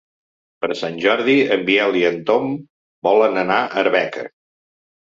Per Sant Jordi en Biel i en Tom volen anar a Arbeca.